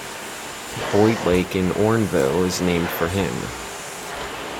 Boyd Lake in Orneville is named for him.